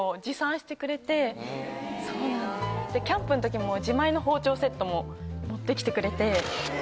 すごでキャンプのときも自前の包丁セットも持ってきてくれてえ